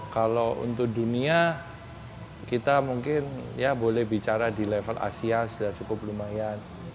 kalau untuk dunia kita mungkin ya boleh bicara di level asia sudah cukup lumayan